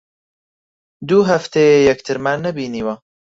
دوو هەفتەیە یەکترمان نەبینیوە.